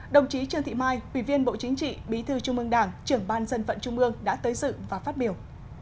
đồng chí trương thị mai quỳ viên bộ chính trị bí thư trung mương đảng trưởng ban dân vận trung mương đã tới sự và phát biểu